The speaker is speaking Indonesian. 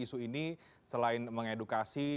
isu ini selain mengedukasi